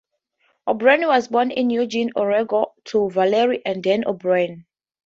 O'Brien was born in Eugene, Oregon, to Valerie and Dan O'Brien.